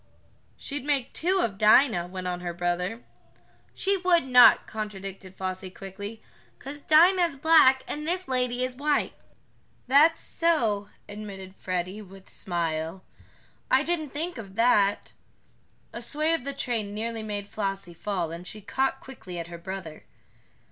"She'd make make two of Dinah," went on her brother. "She would not," contradicted Flossie quickly. "'Cause Dinah's black, and this lady is white." "That's so," admitted Freddie, with smile. "I didn't think of that." A sway of the train nearly made Flossie fall, and she caught quickly at her brother.